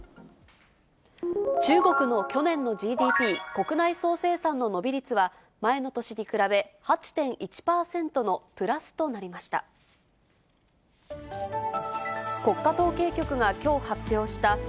中国の去年のＧＤＰ・国内総生産の伸び率は、前の年に比べ、８．１％のプラスとなりました。